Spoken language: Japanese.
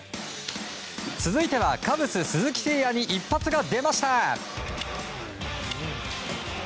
続いてはカブス、鈴木誠也に一発が出ました。